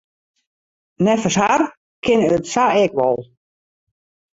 Neffens har kin it sa ek wol.